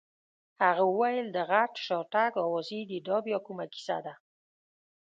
هغه وویل: د غټ شاتګ اوازې دي، دا بیا کومه کیسه ده؟